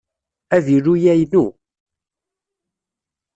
Avilu-a inu.